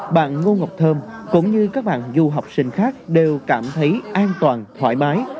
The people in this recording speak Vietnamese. bạn ngô ngọc thơm cũng như các bạn du học sinh khác đều cảm thấy an toàn thoải mái